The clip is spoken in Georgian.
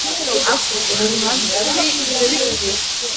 აქვს ღრმა მკერდი, გრძელი კუდი.